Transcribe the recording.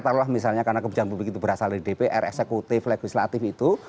taruhlah misalnya karena kebijakan publik itu berasal dari dpr eksekutif legislatif itu